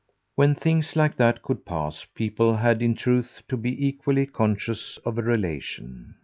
When things like that could pass people had in truth to be equally conscious of a relation.